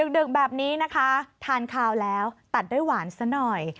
ดึกแบบนี้นะคะทานคาวแล้วตัดด้วยหวานซะหน่อย